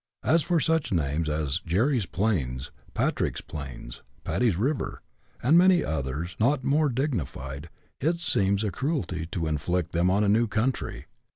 As for such names as "Jerry's Plains," " Patrick's Plains," "Paddy's River," and many others not more dignified, it seems a cruelty to inflict them on a new country.